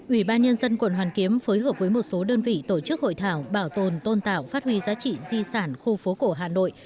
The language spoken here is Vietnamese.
ủy ban nhân dân quận hoàn kiếm phối hợp với một số đơn vị tổ chức hội thảo bảo tồn tôn tạo phát huy giá trị di sản khu phố cổ hà nội